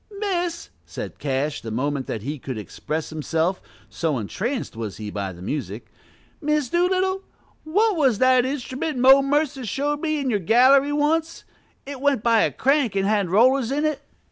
"Miss," said Cash, the moment that he could express himself, so entranced was he by the music, "Miss Doolittle, what was the instrument Mo Mercer showed me in your gallery once, it went by a crank and had rollers in it?"